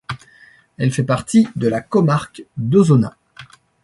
Elle fait partie de la comarque d'Osona.